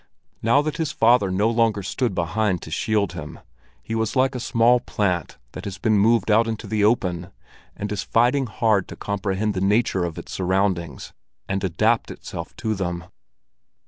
Now that his father no longer stood behind to shield him, he was like a small plant that has been moved out into the open, and is fighting hard to comprehend the nature of its surroundings, and adapt itself to them.